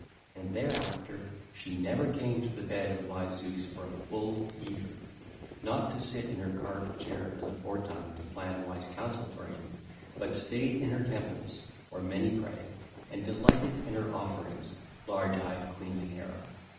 And thereafter she never came to the bed of wise Zeus for a full year, not to sit in her carved chair as aforetime to plan wise counsel for him, but stayed in her temples where many pray, and delighted in her offerings, large eyed queenly Hera.